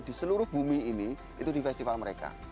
di seluruh bumi ini itu di festival mereka